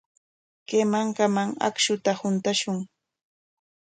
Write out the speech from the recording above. Kay mankaman akshuta huntashun.